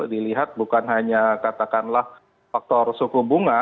dilihat bukan hanya katakanlah faktor suku bunga